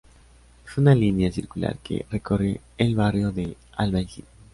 Fue una línea circular que recorre el barrio del Albaicín.